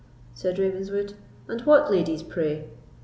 said Ravenswood; "and what ladies, pray?"